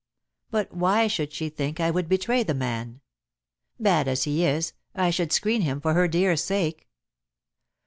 But why should she think I would betray the man? Bad as he is, I should screen him for her dear sake.